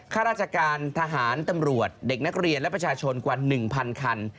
ข้าราชการทหารตำรวจเด็กนักเรียนและประชาชนกว่า๑๐๐คัน